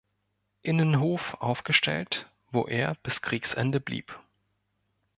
Innenhof aufgestellt, wo er bis Kriegsende blieb.